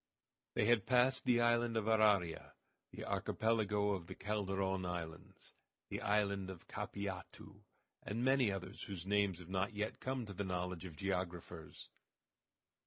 They had passed the island of Araria, the Archipelago of the Calderon islands, the island of Capiatu, and many others whose names have not yet come to the knowledge of geographers.